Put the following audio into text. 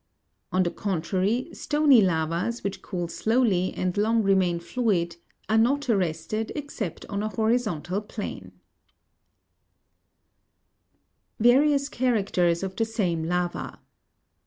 On the contrary, stony lavas which cool slowly and long remain fluid, are not arrested except on a horizontal plain. 35. Various characters of the same lava.